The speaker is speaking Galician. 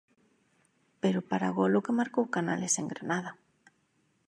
Pero para gol o que marcou Canales en Granada.